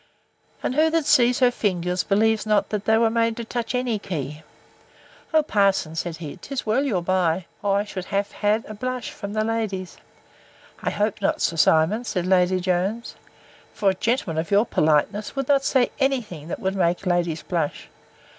And who that sees her fingers, believes not that they were made to touch any key? O, parson! said he, 'tis well you're by, or I should have had a blush from the ladies. I hope not, Sir Simon, said Lady Jones; for a gentleman of your politeness would not say any thing that would make ladies blush.